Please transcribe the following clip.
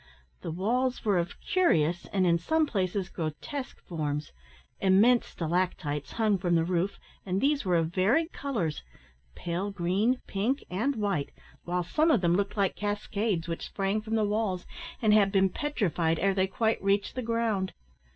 The walls were of curious, and in some places grotesque, forms. Immense stalactites hung from the roof, and these were of varied colours, pale green, pink, and white, while some of them looked like cascades, which sprang from the walls, and had been petrified ere they quite reached the ground.